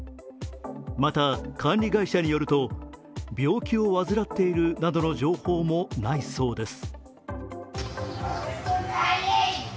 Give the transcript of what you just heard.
また管理会社によると病気を患っているなどの情報もないそうです。